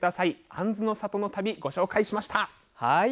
あんずの里の旅ご紹介しました。